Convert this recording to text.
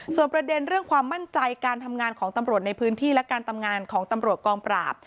ส่วนประเด็นเรื่องความมั่นใจการทำงานของตำรวจในพื้นที่และการทำงานของตำรวจกองปราบ